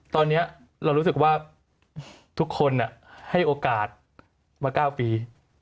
ตอนนี้เรารู้สึกว่าทุกคนให้โอกาสมา๙ปี